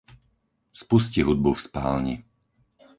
Spusti hudbu v spálni.